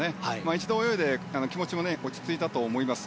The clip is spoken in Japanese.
一度泳いで気持ちも落ち着いたと思います。